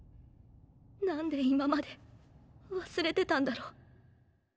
何で今まで忘れてたんだろう。